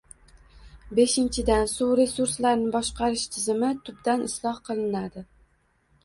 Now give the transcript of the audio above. Beshinchidan, suv resurslarini boshqarish tizimi tubdan isloh qilinadi.